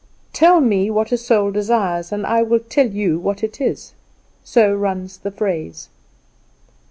"Tell me what a soul desires, and I will tell you what it is." So runs the phrase.